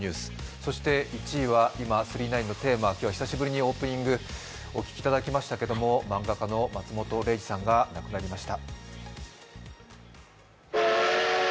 そして１位は今「９９９」のテーマ、今日は久しぶりにオープニングお聴きいただきましたけれども漫画家の松本零士さんが亡くなりました。